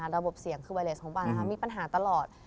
ระบบเสี่ยงคือไวเลสของบันมีปัญหาตลอด